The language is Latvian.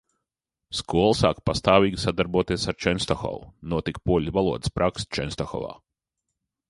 Skola sāka pastāvīgi sadarboties ar Čenstohovu, notika poļu valodas prakse Čenstohovā.